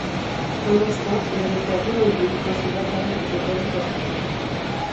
Un instant, il resta immobile, dans ce vacarme et cette agitation.